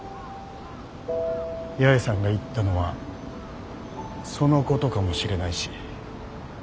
八重さんが言ったのはそのことかもしれないし。